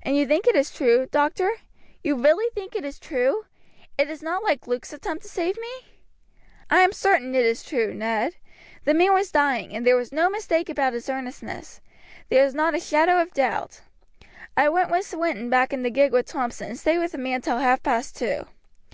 "And you think it is true, doctor, you really think it is true? It is not like Luke's attempt to save me?" "I am certain it is true, Ned. The man was dying, and there was no mistake about his earnestness. There is not a shadow of doubt. I sent Swinton back in the gig with Thompson and stayed with the man till half past two.